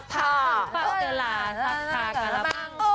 ปั้งทราก๊าละบังศรัพท์